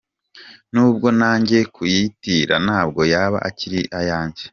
N’ubwo najya kuyatira ntabwo yaba ari ayanjye.